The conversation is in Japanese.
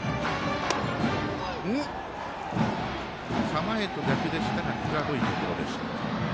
構えと逆でしたが際どいところでした。